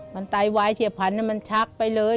มันไตวายเฉียบพันธุ์มันชักไปเลย